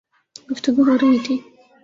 گفتگو ہو رہی تھی